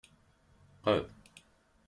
Qqed.